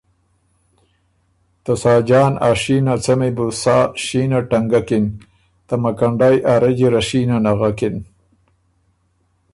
ته ساجان ا شینه څمی بُو سا شینه ټنګکِن، ته مکنډئ ا رجی ره شینه نغکِن۔